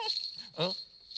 ・うん？